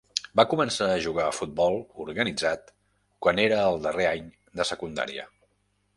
Va començar a jugar a futbol organitzat quan era al darrer any de secundària.